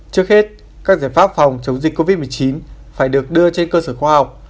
trước hết các giải pháp phòng chống dịch covid một mươi chín phải được đưa trên cơ sở khoa học